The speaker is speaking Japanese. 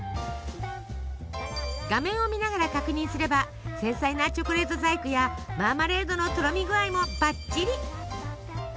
画面を見ながら確認すれば繊細なチョコレート細工やマーマレードのとろみ具合もばっちり。